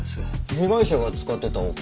被害者が使ってたお香？